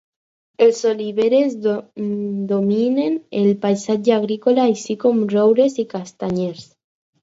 Les oliveres dominen el paisatge agrícola, així com roures i castanyers.